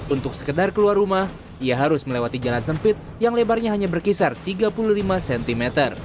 untuk sekedar keluar rumah ia harus melewati jalan sempit yang lebarnya hanya berkisar tiga puluh lima cm